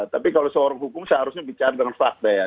tapi kalau seorang hukum seharusnya bicara dengan fakta ya